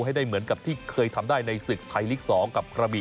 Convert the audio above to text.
ให้ได้เหมือนกับที่เคยทำได้ในสึก